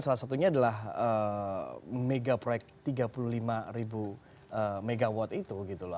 salah satunya adalah mega proyek tiga puluh lima ribu megawatt itu gitu loh